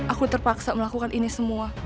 aku terpaksa melakukan ini semua